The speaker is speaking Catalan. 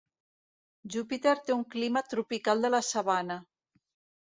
Júpiter té un clima tropical de la sabana.